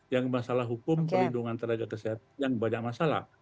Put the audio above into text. yang masalah hukum perlindungan tenaga kesehatan yang banyak masalah